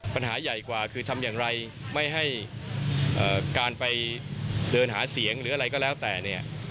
ปัญหาใหญ่กว่าคือทำอย่างไรไม่ให้การไปเดินหาเสียงหรืออะไรก็แล้วแต่เนี่ย